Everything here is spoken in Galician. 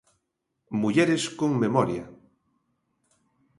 Mulleres con memoria.